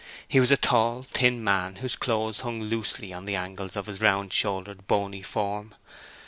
He was a tall, thin man whose clothes hung loosely on the angles of his round shouldered, bony form.